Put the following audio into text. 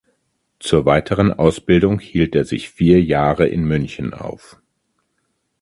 Zur weiteren Ausbildung hielt er sich vier Jahre in München auf.